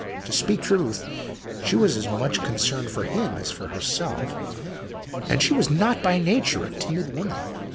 To speak truth, she was as much concerned for him as for herself, and she was not by nature a timid woman.